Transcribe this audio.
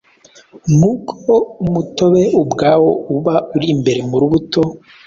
Nk’uko umutobe ubwawo uba uri imbere mu rubuto,